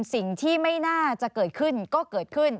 สิ่งที่ไม่น่าจะเกิดขึ้นก็เกิดขึ้น